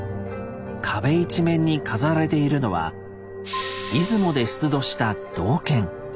壁一面に飾られているのは出雲で出土した銅剣。